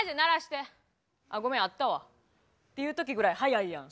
あごめんあったわ」。っていう時ぐらい早いやん。